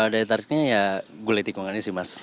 daya tariknya ya gulai tikungannya sih mas